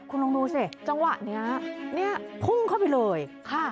คุณลองดูสิจังหวะนี้เนี่ยพุ่งเข้าไปเลยค่ะ